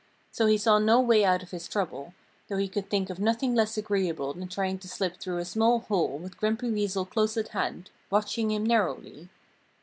So he saw no way out of his trouble, though he could think of nothing less agreeable than trying to slip through a small hole with Grumpy Weasel close at hand, watching him narrowly.